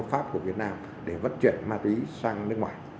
phát của việt nam để vất chuyển ma túy sang nước ngoài